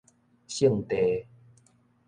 性地